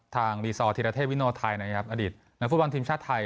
ทางรีซอร์ธิรเทพวิโนไทยนะครับอดีตนักฟุตบอลทีมชาติไทย